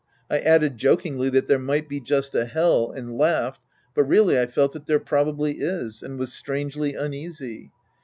I added jokingly that there might be just a Hell and laughed, but really I felt that there probably is, and was strangely uneasy.